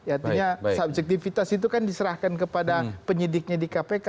artinya subjektivitas itu kan diserahkan kepada penyidiknya di kpk